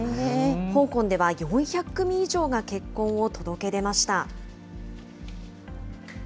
香港では４００組以上が結婚を届け出ました。